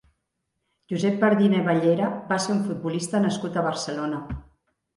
Josep Bardina i Ballera va ser un futbolista nascut a Barcelona.